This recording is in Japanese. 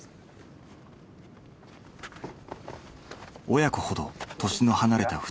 親子ほど年の離れた２人。